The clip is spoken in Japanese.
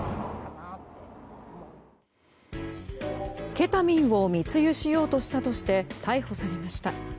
ケタミンを密輸しようとしたとして逮捕されました。